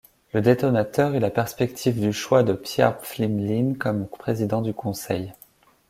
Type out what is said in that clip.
Le détonateur est la perspective du choix de Pierre Pflimlin comme Président du Conseil.